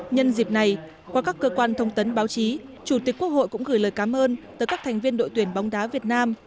nhân dịp này qua các cơ quan thông tấn báo chí chủ tịch quốc hội cũng gửi lời cảm ơn tới các thành viên đội tuyển bóng đá việt nam